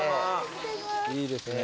いいですね。